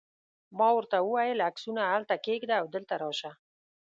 ما ورته وویل: عکسونه هلته کښېږده او دلته راشه.